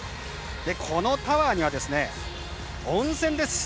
このタワーには、温泉です！